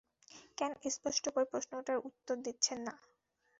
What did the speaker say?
কেন স্পষ্ট করে প্রশ্নটার উত্তর দিচ্ছেন না?